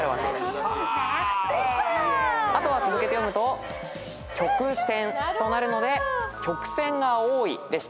あとは続けて読むとキョクセンとなるので曲線が多いでした。